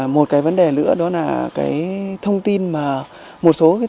một cái vấn đề nữa đó là cái thông tin mà